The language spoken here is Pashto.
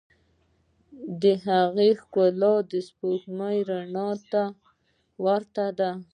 د هغې ښکلا د سپوږمۍ رڼا ته ورته ده.